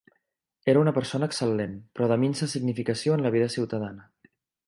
Era una persona excel·lent, però de minsa significació en la vida ciutadana.